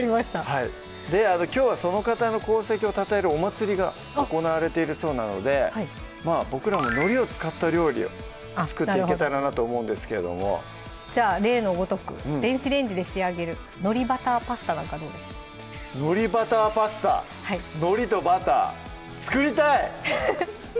はいきょうはその方の功績をたたえるお祭りが行われているそうなのでボクらものりを使った料理を作っていけたらなと思うんですけどもじゃあ例のごとく電子レンジで仕上げる「のりバターパスタ」なんかどうでしょう「のりバターパスタ」のりとバター作りたい！